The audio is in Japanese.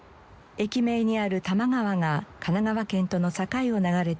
駅名にある多摩川が神奈川県との境を流れています。